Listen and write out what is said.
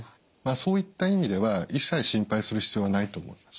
そういった意味では一切心配する必要はないと思います。